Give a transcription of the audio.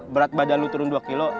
berat badan lo turun dua kilo